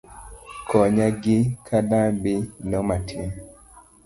Konya gi kalambi no matin